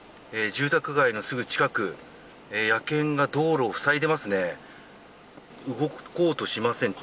住宅街のすぐ近く野犬が道路をふさいでいますね。